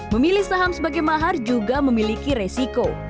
memilih saham sebagai mahar juga memiliki resiko